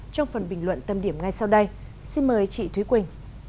trong phần bình luận tâm điểm ngay sau đây xin mời chị thúy quỳnh